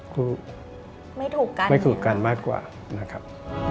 คู่ไม่ถูกกันมากกว่านะครับ